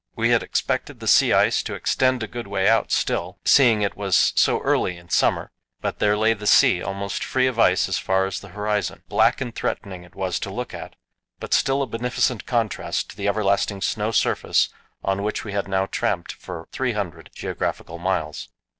We had expected the sea ice to extend a good way out still, seeing it was so early in summer; but there lay the sea, almost free of ice as far as the horizon. Black and threatening it was to look at, but still a beneficent contrast to the everlasting snow surface on which we had now tramped for 300 geographical miles.